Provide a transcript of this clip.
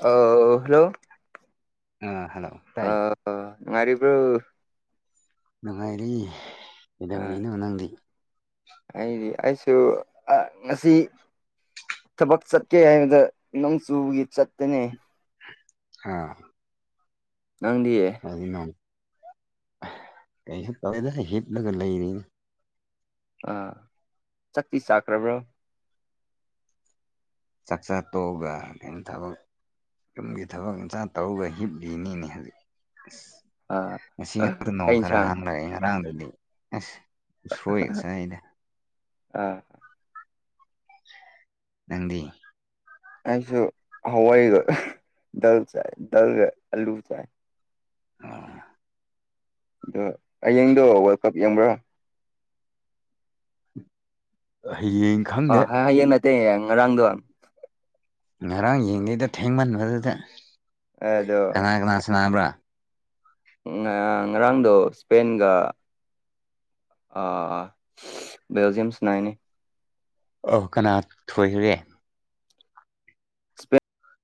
ꯑ ꯍꯜꯂꯣ ꯑꯥ ꯍꯜꯂꯣ ꯇꯥꯏ ꯉꯥꯔꯔꯤꯕ꯭ꯔꯨ ꯅꯨꯡꯉꯥꯏꯔꯤ ꯑ ꯀꯩꯗꯧꯔꯤꯅꯣ ꯅ ꯅꯪꯗꯤ ꯑꯩꯗꯤ ꯑꯩꯁꯨ ꯑ ꯉꯁꯤ ꯊꯕꯛ ꯆꯠꯀꯦ ꯍꯥꯏꯕꯗ ꯅꯣꯡ ꯆꯨꯕꯒꯤ ꯆꯠꯇꯅꯤ ꯑ ꯅꯪꯗꯤ ꯑꯗꯨꯅ ꯀꯩꯁꯨ ꯇꯧꯋꯦꯗ ꯍꯤꯠꯂꯒ ꯂꯩꯔꯤꯅꯤ ꯑꯥ ꯆꯥꯛꯇꯤ ꯆꯥꯛꯈ꯭ꯔꯕ꯭ꯔꯣ ꯆꯥꯛꯆꯥ ꯇꯣꯛꯑꯒ ꯅꯪ ꯊꯕꯛ ꯌꯨꯝꯒꯤ ꯊꯕꯛ ꯏꯟꯁꯥꯡ ꯇꯧꯔꯒ ꯍꯤꯞꯂꯤꯅꯤꯅꯦ ꯍꯧꯖꯤꯛ ꯑꯁ ꯑ ꯉꯁꯤ ꯉꯔꯥꯡꯗꯣ ꯀꯩ ꯅꯣꯡ ꯈꯔ ꯏꯟꯁꯥꯡ ꯍꯥꯡꯂꯛꯑꯦ ꯉꯔꯥꯡꯗꯗꯤ ꯑꯁ ꯎ ꯁꯣꯏꯒ ꯆꯥꯏꯌꯦꯗ ꯑꯥ ꯅꯪꯗꯤ ꯑꯩꯁꯨ ꯍꯋꯥꯏꯒ ꯗꯥꯜ ꯆꯥꯏ ꯗꯥꯜꯒ ꯑꯂꯨ ꯆꯥꯏ ꯑꯣ ꯑꯗꯣ ꯍꯌꯦꯡꯗꯣ ꯋꯥꯔꯜ ꯀꯞ ꯌꯦꯡꯕ꯭ꯔꯥ ꯍꯌꯦꯡ ꯑ ꯈꯪꯗꯦ ꯍꯌꯦꯡ ꯅꯠꯇꯦ ꯉꯔꯥꯡꯗꯣ ꯉꯔꯥꯡ ꯌꯦꯡꯗꯦꯗ ꯊꯦꯡꯃꯟꯕꯗꯨꯗ ꯑꯗꯣ ꯀꯅꯥ ꯀꯅꯥ ꯁꯅꯥꯅꯕ꯭ꯔꯥ ꯉꯥ ꯉꯔꯥꯡꯗꯣ ꯏꯁꯄꯦꯟꯒ ꯑꯥ ꯕꯦꯜꯖꯤꯌꯝ ꯁꯥꯅꯩꯅꯦ ꯑꯧ ꯀꯅꯥ ꯊꯣꯏꯈ꯭ꯔꯦ ꯏꯁꯄꯦꯟ